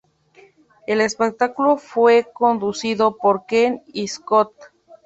El espectáculo fue conducido por Ken y Scott.